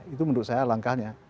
itu menurut saya langkahnya